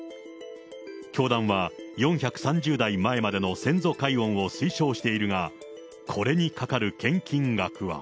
教団は、４３０代前までの先祖解怨を推奨しているが、これにかかる献金額は。